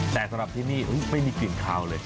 แต่สำหรับที่นี่ไม่มีกลิ่นคาวเลย